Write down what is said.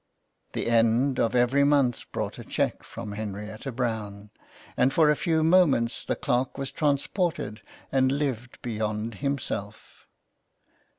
The end of every month brought a cheque from Henrietta Brown, and for a few moments the clerk was transported and lived beyond himself.